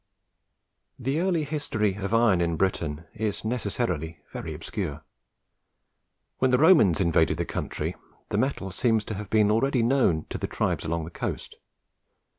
The early history of iron in Britain is necessarily very obscure. When the Romans invaded the country, the metal seems to have been already known to the tribes along the coast.